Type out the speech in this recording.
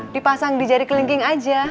dipasang di jari kelingking aja